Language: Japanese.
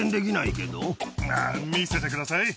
見せてください。